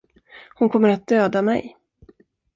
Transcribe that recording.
Hon kommer att döda mig.